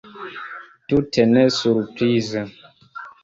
Tute ne surprize.